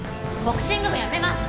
ボクシング部やめます！